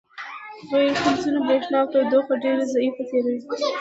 غیر فلزونه برېښنا او تودوخه ډیره ضعیفه تیروي.